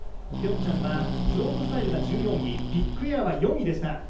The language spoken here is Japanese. ピョンチャンはスロープスタイルが１４位ビッグエアは４位でした。